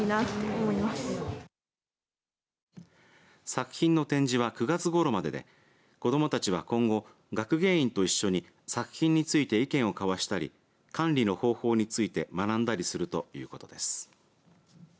作品の展示は、９月ごろまでで子どもたちは今後学芸員と一緒に作品について意見を交わしたり管理の方法について学んだりするということです。